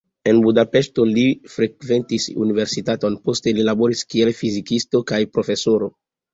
En Budapeŝto li frekventis universitaton, poste li laboris, kiel fizikisto kaj profesoro.